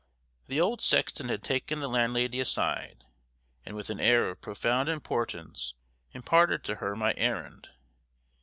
The old sexton had taken the landlady aside, and with an air of profound importance imparted to her my errand.